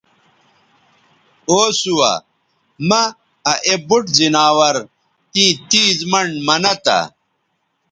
او سُوہ مہ آ اے بُوٹ زناور تیں تیز منڈ منہ تہ